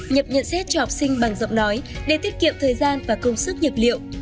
nhập nhận xét cho học sinh bằng giọng nói để tiết kiệm thời gian và công sức nhập liệu